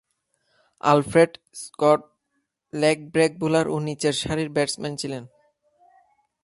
Alfred Scott leg break bowler ও নিচেরসারির batsman ছিলেন।